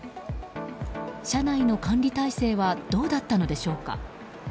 社内の管理体制はどうだったのでしょうか。